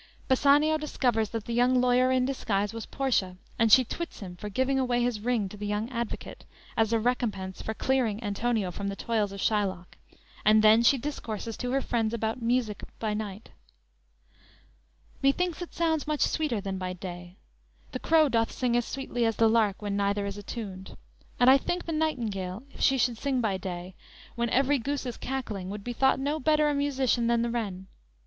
Bassanio discovers that the young lawyer in disguise was Portia, and she twits him for giving away his ring to the young advocate, as a recompense for clearing Antonio from the toils of Shylock; and then she discourses to her friends about music by night: _"Methinks it sounds much sweeter than by day; The crow doth sing as sweetly as the lark, When neither is attuned; and I think The nightingale, if she should sing by day When every goose is cackling, would be thought No better a musician than the wren.